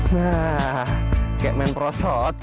nah kayak main prosot